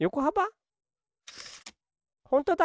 ほんとだ！